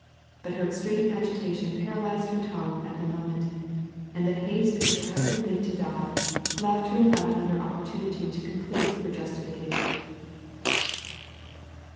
But her extreme agitation paralysed her tongue at the moment, and the haste which her husband made to die, left her without another opportunity to complete her justification.